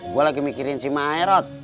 gue lagi mikirin si maerot